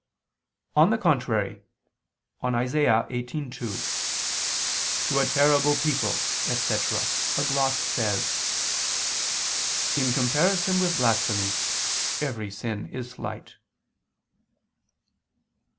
On the contrary, On Isa. 18:2, "To a terrible people," etc. a gloss says: "In comparison with blasphemy, every sin is slight."